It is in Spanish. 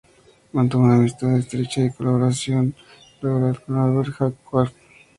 Mantuvo una amistad y estrecha colaboración laboral con Albert Jacquard.